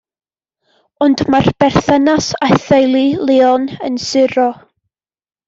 Ond mae'r berthynas â theulu Leone yn suro.